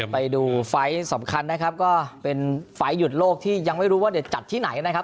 ไปดูไฟล์สำคัญนะครับก็เป็นไฟล์หยุดโลกที่ยังไม่รู้ว่าเดี๋ยวจัดที่ไหนนะครับ